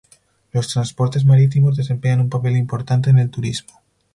Los transportes marítimos desempeñan un papel importante en el turismo.